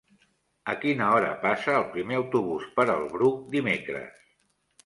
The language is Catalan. A quina hora passa el primer autobús per el Bruc dimecres?